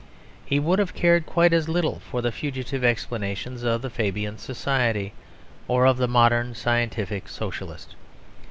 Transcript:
He would have cared quite as little for the fugitive explanations of the Fabian Society or of the modern scientific Socialist.